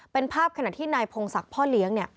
เป็นภาพขณะที่นายพงศักดิ์พ่อเลี้ยง